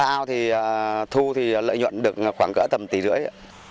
ba ao thì thu thì lợi nhuận được khoảng tầm tỷ rưỡi